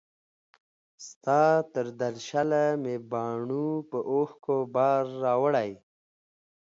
ستا تر درشله مي باڼو په اوښکو بار راوړی